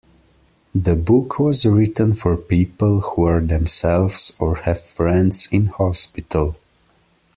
The book was written for people who are themselves, or have friends, in hospital.